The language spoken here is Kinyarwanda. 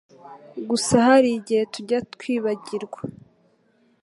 gusa hari igihe tujya twibagirwa